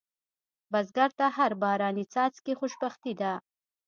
بزګر ته هر باراني څاڅکی خوشبختي ده